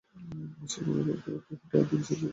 আর সেই কুড়িটা দিন হবে মিশেল আর আমার।